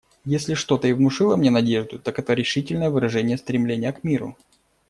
Если что-то и внушило мне надежду, так это решительное выражение стремления к миру.